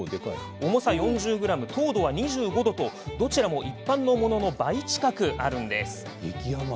重さ４０ｇ、糖度は２５度とどちらも一般のものの倍近くあるんです。